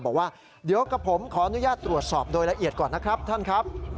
บอกว่าเดี๋ยวกับผมขออนุญาตตรวจสอบโดยละเอียดก่อนนะครับท่านครับ